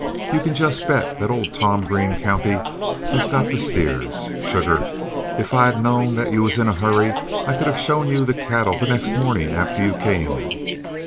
You can just bet that old Tom Green County has got the steers! Sugar, if I'd a known that you was in a hurry, I could have shown you the cattle the next morning after you come.